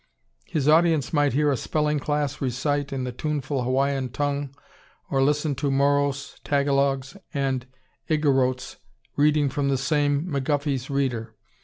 His audience might hear a spelling class recite in the tuneful Hawaiian tongue or listen to Moros, Tagalogs, and Igorrotes reading from the same "McGuffey's Reader."